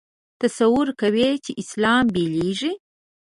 تصور کوي چې اسلام بېلېږي.